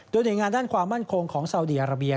โดยในงานด้านความมั่นคงของสาวเดียระเบีย